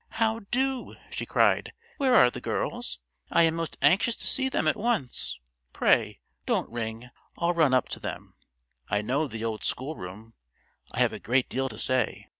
"How do?" she cried. "Where are the girls? I am most anxious to see them at once. Pray, don't ring; I'll run up to them. I know the old schoolroom. I have a great deal to say.